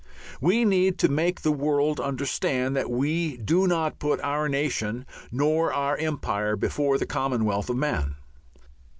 We need to make the world understand that we do not put our nation nor our Empire before the commonwealth of man.